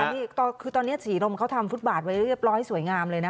นี่ก็คือตอนนี้ศรีรมเขาทำฟุตบาทไว้เรียบร้อยสวยงามเลยนะ